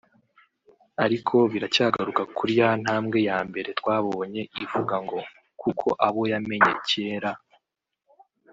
ariko biracyagaruka kuri ya ntambwe yambere twabonye ivuga ngo “kuko abo yamenye kera